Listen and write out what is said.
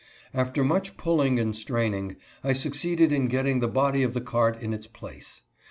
After much pulling and straining, I succeeded in getting the body of the cart in its place.